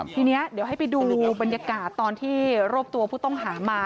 ทีนี้เดี๋ยวให้ไปดูบรรยากาศตอนที่รวบตัวผู้ต้องหามา